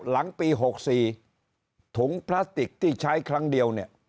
หลังปี๖๔ถุงพลาสติกที่ใช้ครั้งเดียวเนี่ย